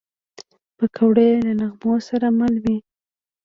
پکورې له نغمو سره مل وي